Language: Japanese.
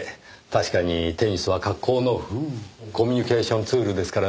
確かにテニスは格好のコミュニケーションツールですからねぇ。